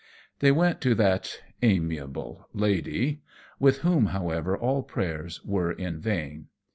They went to that amiable lady, with whom, however, all prayers were in vain.